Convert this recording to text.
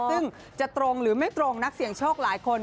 ซึ่งจะตรงหรือไม่ตรงนักเสี่ยงโชคหลายคน